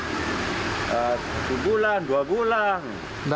sebulan dua bulan